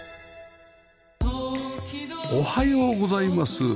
おはようございます。